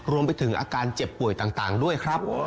รวมไปถึงอาการเจ็บป่วยต่างด้วยครับ